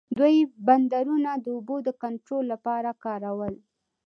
دوی بندرونه د اوبو د کنټرول لپاره کارول.